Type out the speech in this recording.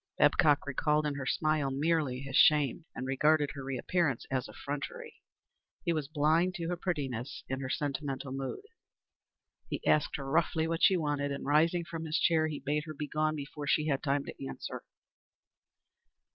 Babcock recalled in her smile merely his shame, and regarded her reappearance as effrontery. He was blind to her prettiness and her sentimental mood. He asked her roughly what she wanted, and rising from his chair, he bade her be gone before she had time to answer.